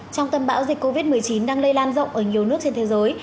trong tâm bão dịch covid một mươi chín đang lây lan rộng ở nhiều nước trên thế giới